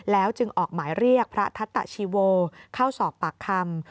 จึงออกหมายเรียกพระทัตตาชีโวเข้าสอบปากคำ